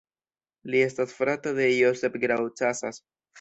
Li estas frato de Josep Grau Casas.